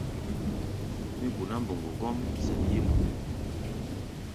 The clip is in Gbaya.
Mí guná mboŋgo kɔ́ʼm sɛn yí-mbuu.